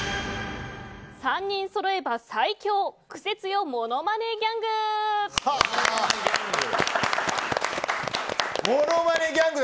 ３人そろえば最凶クセ強ものまねギャング。